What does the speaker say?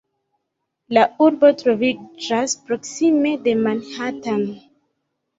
La urbo troviĝas proksime de Manhattan.